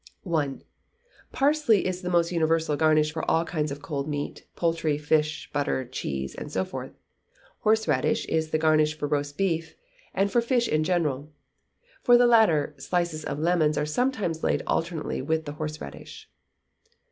i. Parsley is the most universal garnish for all kinds of cold meat, poultry, fish, butter, cheese, and so forth. Horseradish is the garnish for roast beef, and for fish in general; for the latter, slices of lemon are sometimes laid alternately with the horseradish.